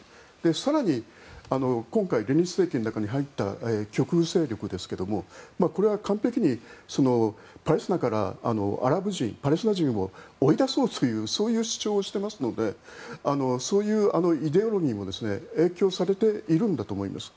更に今回、連立政権の中に入った極右勢力ですがこれは完璧に、パレスチナからアラブ人パレスチナ人を追い出そうというそういう主張をしてますのでそういうイデオロギーも影響されているんだと思います。